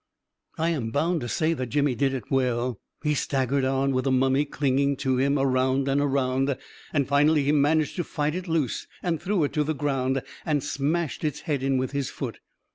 I am bound to say that Jimmy did it well. He staggered on, with the mummy clinging to him, around and around; and finally he managed to fight it loose, and threw it to the ground, and smashed its head in with his foot.